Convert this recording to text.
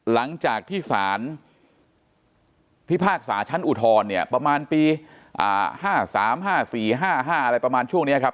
หลังจากที่สารพิพากษาชั้นอุทธรณ์เนี่ยประมาณปี๕๓๕๔๕๕อะไรประมาณช่วงนี้ครับ